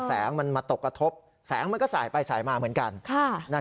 แสงมันมาตกกระทบแสงมันก็สายไปสายมาเหมือนกัน